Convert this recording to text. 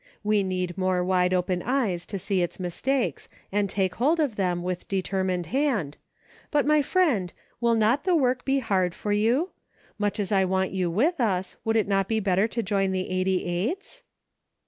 We need more wide open eyes to see its mistakes, and take hold of them with determined hand ; but, my friend, will not the work be hard for you .* Much as I want you with us, would it not be better to join the Eighty eights.?"